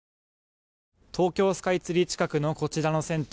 東京スカイツリー近くのこちらの銭湯。